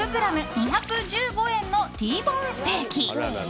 ２１５円のＴボーンステーキ。